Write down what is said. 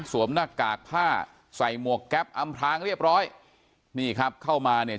หน้ากากผ้าใส่หมวกแก๊ปอำพลางเรียบร้อยนี่ครับเข้ามาเนี่ย